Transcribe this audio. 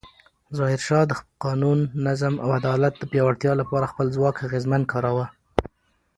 ظاهرشاه د قانون، نظم او عدالت د پیاوړتیا لپاره خپل ځواک اغېزمن کاراوه.